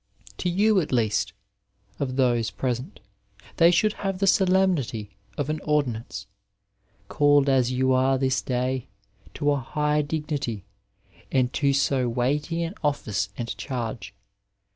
To you, at least of those present, they should have the solemnity of an ordinance — called as you are this day to a high dignity and to so weighty an o£5ice and charge.